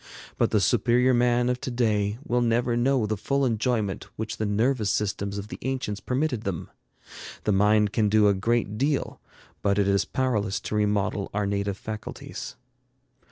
But the superior man of to day will never know the full enjoyment which the nervous systems of the ancients permitted them. The mind can do a great deal, but it is powerless to remodel our native faculties.